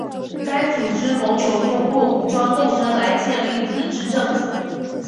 该组织谋求通过武装斗争来建立自治政府。